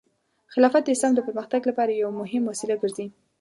خلافت د اسلام د پرمختګ لپاره یو مهم وسیله ګرځي.